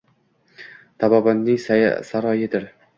Tabobatning saroyidir…